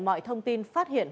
mọi thông tin phát hiện